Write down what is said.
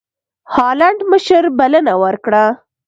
هالنډ مشر بلنه ورکړه.